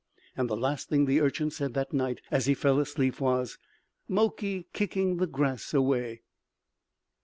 And the last thing the Urchin said that night as he fell asleep was, "Mokey kicking the grass away."